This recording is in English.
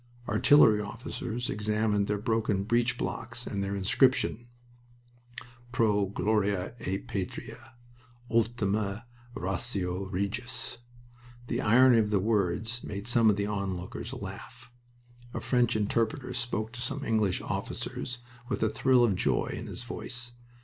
Artillery officers examined their broken breech blocks and their inscriptions: "Pro Gloria et Patria." "Ultima ratio regis." The irony of the words made some of the onlookers laugh. A French interpreter spoke to some English officers with a thrill of joy in his voice.